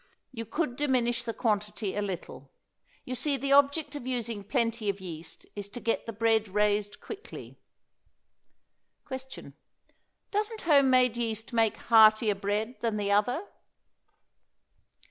You could diminish the quantity a little. You see, the object of using plenty of yeast is to get the bread raised quickly. Question. Doesn't home made yeast make heartier bread than the other?